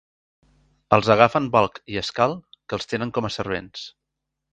Els agafen Bulk i Skull, que els tenen com a servents.